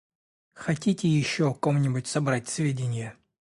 Хотите еще о ком-нибудь собрать сведения?